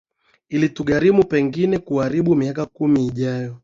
itatugharimu pengine karibu miaka kumi ijayo